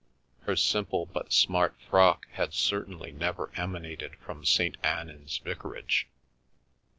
Her simple but smart frock had certainly never emanated from St. Annan's Vicarage.